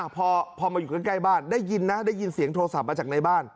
พอมาอยู่ใกล้บ้านได้ยินนะได้ยินเสียงโทรศัพท์มาจากในบ้าน